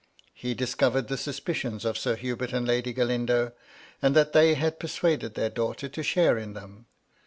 He discovered the suspicions of Sir Hubert and Lady Galindo, and that they had persuaded their daughter to share in them.